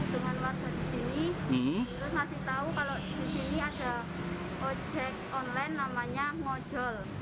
terus masih tahu kalau di sini ada ojek online namanya mojol